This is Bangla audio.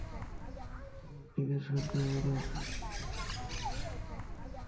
আমার টিমের সামনে ওরা তার বুকে ছুরি ঢুকিয়ে দিয়েছিল।